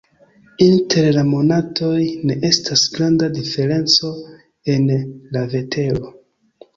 Inter la monatoj ne estas granda diferenco en la vetero.